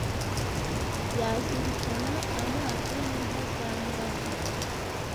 Yazirikana amato Y’inka za Murahu